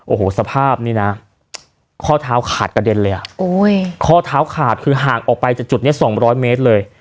โอ้โหสภาพนี้นะข้อเท้าขาดกระเด็นเลยอ่ะโอ้ยข้อเท้าขาดคือห่างออกไปจากจุดเนี้ยสองร้อยเมตรเลย